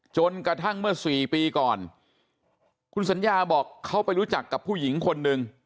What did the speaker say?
จนกระทั่งเมื่อสี่ปีก่อนคุณสัญญาบอกเขาไปรู้จักกับผู้หญิงคนหนึ่ง